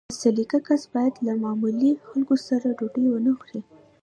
با سلیقه کس باید له معمولي خلکو سره ډوډۍ ونه خوري.